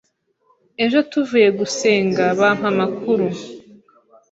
ejo tuvuye gusenga bampa amakuru